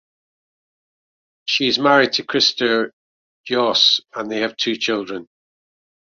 She is married to Christer Kjos and they have two children.